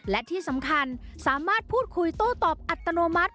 และที่สำคัญสามารถพูดคุยโต้ตอบอัตโนมัติ